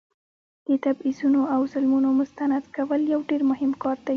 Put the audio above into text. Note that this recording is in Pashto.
د تبعیضونو او ظلمونو مستند کول یو ډیر مهم کار دی.